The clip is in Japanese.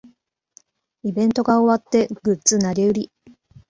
イベントが終わってグッズ投げ売り